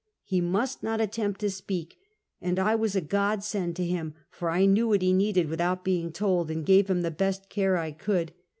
He must not attempt to speak, and I was a godsend to him, for I knew what he needed without being told, and gave him the best care I could.